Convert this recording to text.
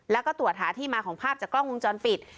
แล้วก็ตรวจหาที่มาของภาพจากกล้องวงจรปิด